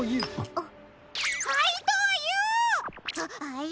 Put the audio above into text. あっ！